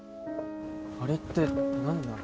あれって何なの？